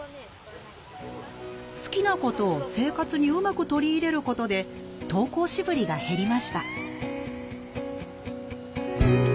好きなことを生活にうまく取り入れることで登校しぶりが減りました